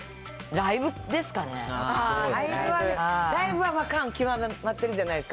ライブは感極まってるじゃないですか。